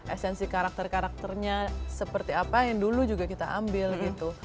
esensi karakter karakternya seperti apa yang dulu juga kita ambil gitu